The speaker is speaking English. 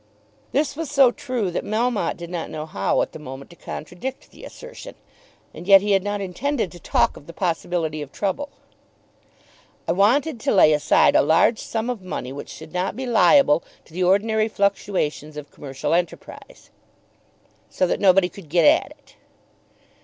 This was so true that Melmotte did not know how at the moment to contradict the assertion. And yet he had not intended to talk of the possibility of trouble. "I wanted to lay aside a large sum of money which should not be liable to the ordinary fluctuations of commercial enterprise." "So that nobody could get at it."